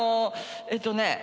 えっとね。